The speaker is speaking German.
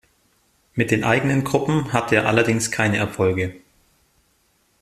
Mit den eigenen Gruppen hatte er allerdings keine Erfolge.